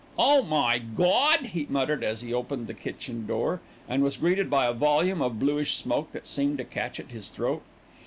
"Oh, my Gawd!" he muttered as he opened the kitchen door, and was greeted by a volume of bluish smoke that seemed to catch at his throat.